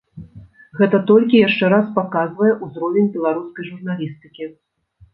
Гэта толькі яшчэ раз паказвае ўзровень беларускай журналістыкі.